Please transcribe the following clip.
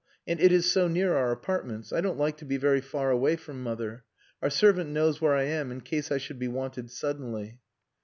And it is so near our apartments. I don't like to be very far away from mother. Our servant knows where I am in case I should be wanted suddenly."